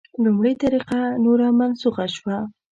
لومړۍ طریقه نوره منسوخه شوه.